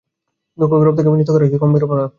দুঃখগৌরব থেকে বঞ্চিত করা কি কম বিড়ম্বনা।